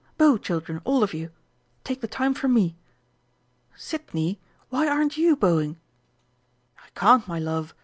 Bow, children, all of you take the time from me. Sidney, why aren't you bowing?" "I can't, my love.